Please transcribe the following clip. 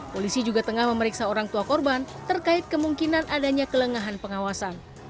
polisi juga tengah memeriksa orang tua korban terkait kemungkinan adanya kelengahan pengawasan